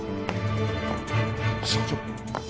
社長。